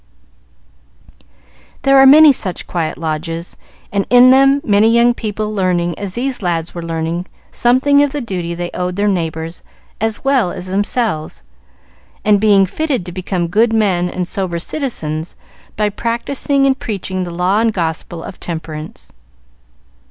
There are many such quiet lodges, and in them many young people learning as these lads were learning something of the duty they owed their neighbors as well as themselves, and being fitted to become good men and sober citizens by practising and preaching the law and gospel of temperance.